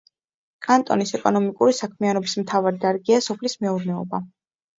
კანტონის ეკონომიკური საქმიანობის მთავარი დარგია სოფლის მეურნეობა.